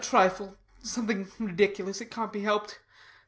A trifle something ridiculous. It cant be helped.